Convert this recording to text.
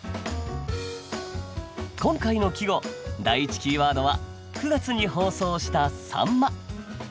今回の季語第１キーワードは９月に放送した「秋刀魚」。